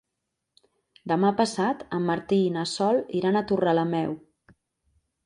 Demà passat en Martí i na Sol iran a Torrelameu.